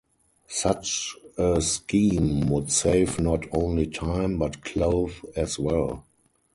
Such a scheme would save not only time but cloth as well.